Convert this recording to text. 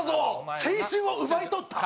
青春を奪い取った！？